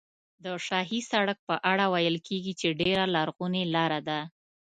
د شاهي سړک په اړه ویل کېږي چې ډېره لرغونې لاره ده.